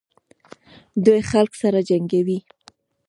دوی خلک سره جنګوي.